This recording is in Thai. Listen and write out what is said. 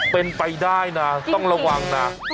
เป็นไปได้นะต้องระวังนะจริงจริง